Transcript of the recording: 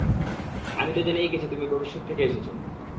আমি তো জেনেই গেছি তুমি ভবিষ্যত থেকে এসেছো।